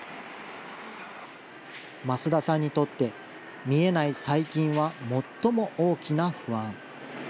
増田さんにとって、見えない細菌は最も大きな不安。